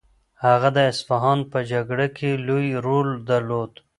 هغه د اصفهان په جګړه کې لوی رول درلود.